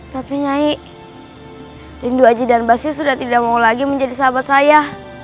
tapi nyai rindu aji dan basir sudah tidak mau lagi menjadi sahabat saya